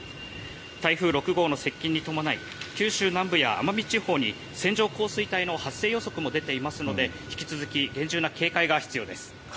台風６号の接近に伴い九州南部や奄美地方に線状降水帯の発生予測も出ていますので引き続き厳重な警戒が必要です。